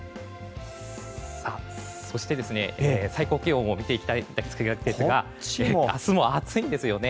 そして、最高気温を見ていきたいんですが明日も暑いんですよね。